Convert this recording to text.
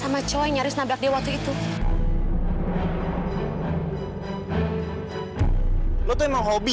lo kenal sama gembel ini